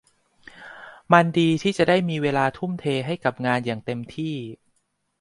มันดีที่จะได้มีเวลาทุ่มเทให้กับงานอย่างเต็มที่